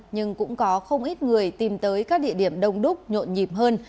nhưng cũng có không ít người tìm tới các địa điểm đông đúc nhộn nhịp hơn